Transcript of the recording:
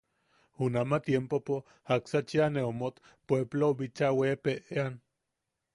Junama tiempopo jaksa cheʼa ne omot, puepplou bicha weepeʼean.